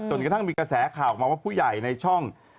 กระทั่งมีกระแสข่าวออกมาว่าผู้ใหญ่ในช่อง